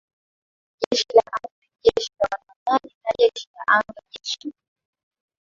Jeshi la Ardhi ni Jeshi la Wanamaji na Jeshi la Anga Jeshi